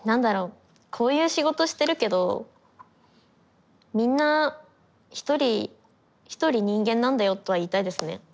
こういう仕事してるけどみんな一人一人人間なんだよとは言いたいですね。